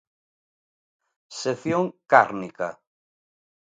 Sección Cárnica